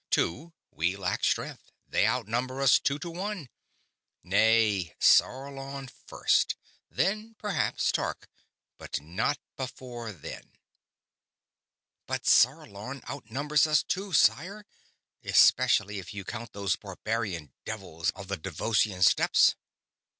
Too, we lack strength, they outnumber us two to one. Nay. Sarlon first. Then, perhaps, Tark; but not before then." "But Sarlon outnumbers us too, sire, especially if you count those barbarian devils of the Devossian steppes.